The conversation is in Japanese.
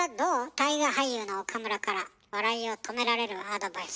大河俳優の岡村から笑いを止められるアドバイス。